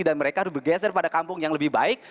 dan mereka harus bergeser pada kampung yang lebih baik